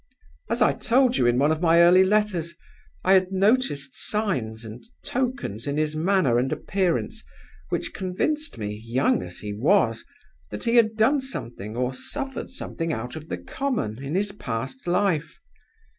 As I told you in one of my early letters, I had noticed signs and tokens in his manner and appearance which convinced me, young as he was, that he had done something or suffered something out of the common in his past life.